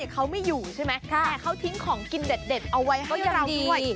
เขาไม่อยู่ใช่ไหมแต่เขาทิ้งของกินเด็ดเอาไว้ให้เราด้วย